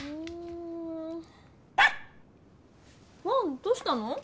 ワンどうしたの？